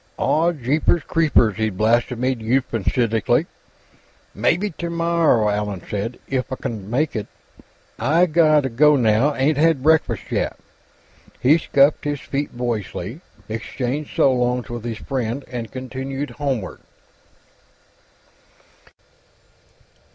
"Aw, jeepers creepers!" he blasphemed euphemistically. "Mebbe t'morrow," Allan said. "If I c'n make it. I gotta go, now; ain't had breakfast yet." He scuffed his feet boyishly, exchanged so longs with his friend, and continued homeward.